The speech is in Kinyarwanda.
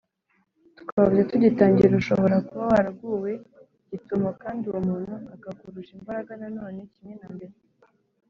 twavuze tugitangira ushobora kuba waraguwe gitumo kandi uwo muntu akakurusha imbaraga Nanone kimwe na mbere